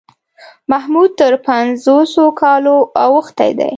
محمود تر پنځوسو کالو اوښتی دی.